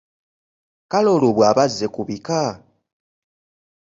Kale olwo bwaba azze kubika?